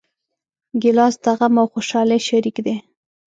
ګیلاس د غم او خوشحالۍ شریک دی.